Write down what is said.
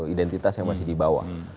identitas yang masih di bawah